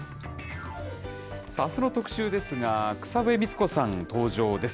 さあ、あすの特集ですが、草笛光子さん登場です。